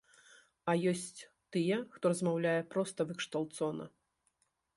А ёсць тыя, хто размаўляе проста выкшталцона!